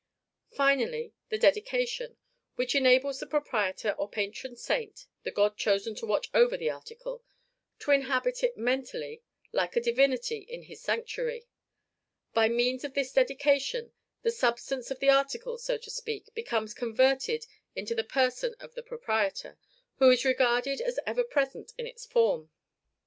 Finally, the DEDICATION, which enables the proprietor or patron saint the god chosen to watch over the article to inhabit it mentally, like a divinity in his sanctuary. By means of this dedication, the substance of the article so to speak becomes converted into the person of the proprietor, who is regarded as ever present in its form.